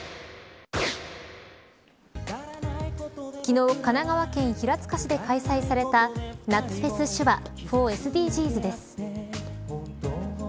昨日神奈川県平塚市で開催された夏フェス×手話ｆｏｒＳＤＧｓです。